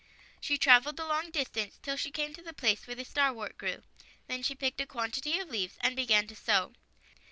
She traveled a long distance till she came to the place where the starwort grew. Then she picked a quantity of leaves and began to sew.